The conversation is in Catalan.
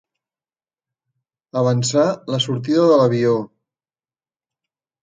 Avançar la sortida de l'avió.